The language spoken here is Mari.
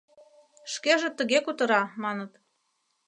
Шкеже тыге кутыра, маныт.